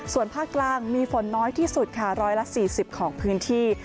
ส่วนภาคกลางมีฝนน้อยที่สุดค่ะ๑๔๐ของพื้นที่